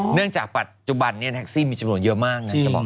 เนื่องจากปัจจุบันแท็กซี่มีจำนวนเยอะมาก